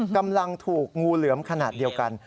กำลังถูกงูเหลือมขนาดเดียวกัน